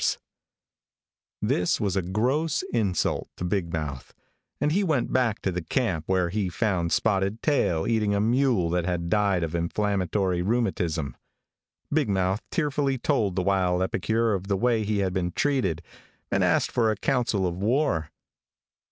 [Illustration: 0219] This was a gross insult to Big Mouth, and he went back to the camp, where he found Spotted Tail eating a mule that had died of inflammatory rheumatism. Big Mouth tearfully told the wild epicure of the way he had been treated, and asked for a council of war.